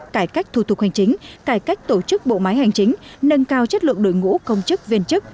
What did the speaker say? cải cách thủ tục hành chính cải cách tổ chức bộ máy hành chính nâng cao chất lượng đội ngũ công chức viên chức